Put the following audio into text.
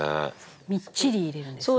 みっちり入れるんですね。